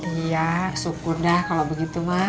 iya syukur dah kalo begitu ma